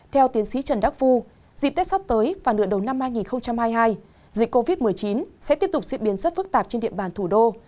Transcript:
theo tiến sĩ trần đắc phu dịp tết sắp tới và nửa đầu năm hai nghìn hai mươi hai dịch covid một mươi chín sẽ tiếp tục diễn biến rất phức tạp trên địa bàn thủ đô